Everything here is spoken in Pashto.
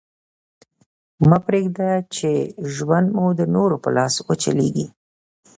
مه پرېږده، چي ژوند مو د نورو په لاس وچلېږي.